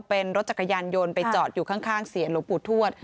เป็นรถจักรยานยนต์ไปจอดอยู่ข้างเสียรหลวงปู่ทวด